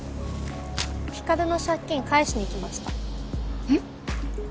光琉の借金返しにきましたえっ？